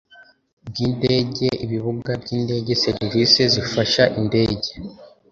bw indege ibibuga by indege serivisi zifasha indege